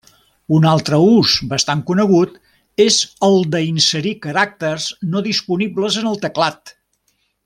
Un altre ús bastant conegut és el d'inserir caràcters no disponibles en el teclat.